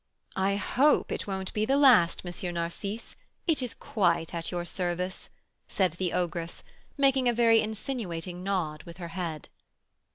"I hope it won't be the last, M. Narcisse; it is quite at your service," said the ogress, making a very insinuating nod with her head.